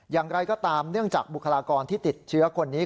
อย่างไรก็ตามเนื่องจากบุคลากรที่ติดเชื้อคนนี้